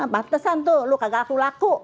pantesan tuh lu kagak laku laku